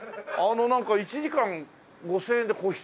なんか１時間５０００円で個室？